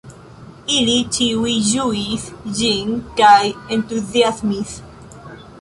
Ili ĉiuj ĝuis ĝin kaj entuziasmis.